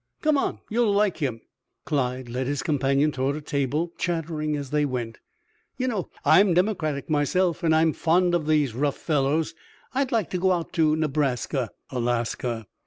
"Come on, you'll like him." Clyde led his companion toward a table, chattering as they went. "Y' know, I'm democratic myself, and I'm fond of these rough fellows. I'd like to go out to Nebraska " "Alaska."